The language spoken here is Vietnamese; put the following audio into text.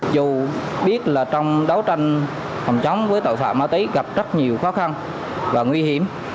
dù biết là trong đấu tranh phòng chống với tội phạm ma túy gặp rất nhiều khó khăn và nguy hiểm